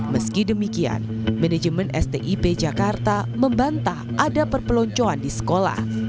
meski demikian manajemen stip jakarta membantah ada perpeloncoan di sekolah